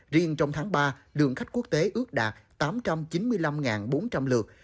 riêng trong tháng ba lượng khách quốc tế ước đạt tám trăm chín mươi năm bốn trăm linh lượt